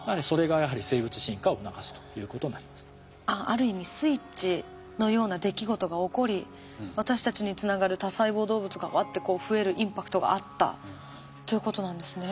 ある意味スイッチのような出来事が起こり私たちにつながる多細胞動物がワッてこう増えるインパクトがあったということなんですね。